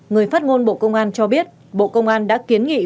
người phát ngôn bộ công an cho biết bộ công an đã kiến nghị